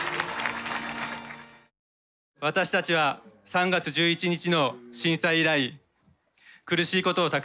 私たちは３月１１日の震災以来苦しいことをたくさん経験しました。